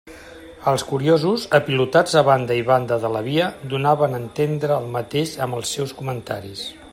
Els curiosos, apilotats a banda i banda de la via, donaven a entendre el mateix amb els seus comentaris.